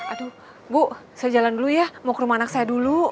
aduh bu saya jalan dulu ya mau ke rumah anak saya dulu